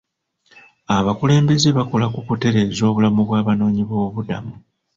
Abakulembeze bakola ku kutereeza obulamu bw'abanoonyiboobubudamu.